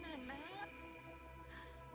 kamu ada dimana nak